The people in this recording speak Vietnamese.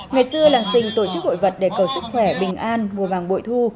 ngày xưa làng xình tổ chức hội vật để cầu sức khỏe bình an mùa màng bội thu